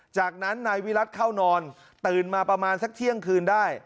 จากนั้นนายวิรัติเข้านอนตื่นมาประมาณสักเที่ยงคืนได้